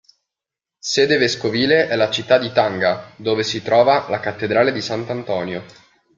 Sede vescovile è la città di Tanga, dove si trova la cattedrale di Sant'Antonio.